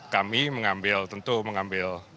kami mengambil tentu mengambil